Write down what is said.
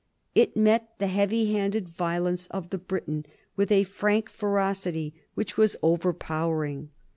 It met the heavy handed violence of the Briton with a frank ferocity which was overpowering.